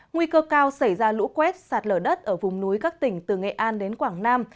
nguy cơ cao xảy ra lũ quét sạt lở đất ở vùng núi các tỉnh từ nghệ an đến quảng nam